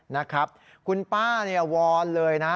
นะครับคุณป้าวอนเลยนะ